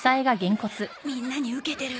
みんなにウケてる。